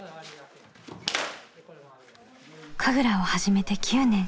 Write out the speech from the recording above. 神楽を始めて９年。